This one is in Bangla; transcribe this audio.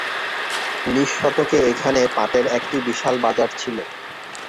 উনিশ শতকে এখানে পাটের একটি বিশাল বাজার ছিল।